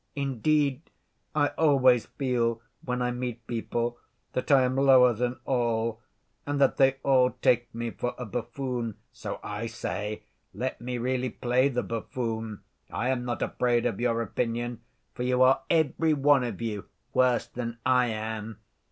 Indeed, I always feel when I meet people that I am lower than all, and that they all take me for a buffoon. So I say, 'Let me really play the buffoon. I am not afraid of your opinion, for you are every one of you worse than I am.